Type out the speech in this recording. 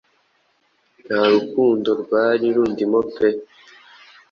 ntarukundo rwari rundimo pe